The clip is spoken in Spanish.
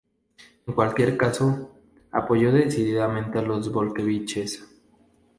En cualquier caso, apoyó decididamente a los bolcheviques.